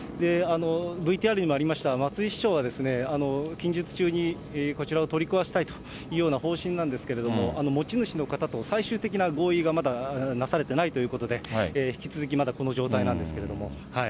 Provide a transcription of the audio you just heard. ＶＴＲにもありました、松井市長は、近日中にこちらを取り壊したいというような方針なんですけれども、持ち主の方と最終的な合意がまだなされていないということで、引き続きまだこの状態なんですけれども。